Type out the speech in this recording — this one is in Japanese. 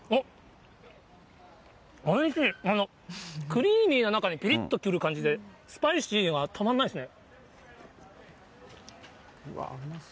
クリーミーな中にぴりっとくる感じで、スパイシーでたまんないですね。